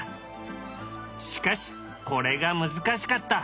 しかしこれが難しかった。